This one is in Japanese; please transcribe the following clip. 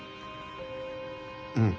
うん。